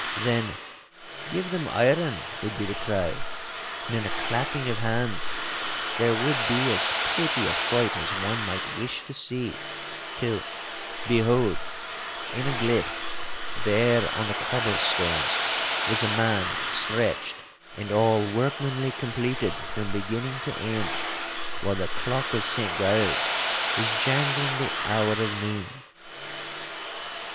Then 'Give them iron!' would be the cry; and in a clapping of hands there would be as pretty a fight as one might wish to see—till, behold, in a gliff, there on the cobble stones was a man stretched, and all workmanly completed from beginning to end, while the clock of St Giles' was jangling the hour of noon.